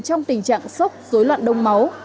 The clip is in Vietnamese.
trong tình trạng sốc dối loạn đông máu